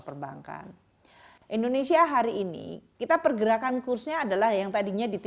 perbankan indonesia hari ini kita pergerakan kursusnya adalah yang tadinya di tiga belas ribu lima ratus tiga belas ribu enam ratus